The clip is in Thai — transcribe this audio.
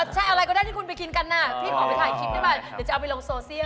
ใช่อะไรก็ได้ที่คุณไปกินกันน่ะพี่ขอไปถ่ายคลิปได้ไหมเดี๋ยวจะเอาไปลงโซเชียล